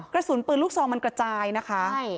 กระสุนปืนลูกซองมันกระจายนะคะ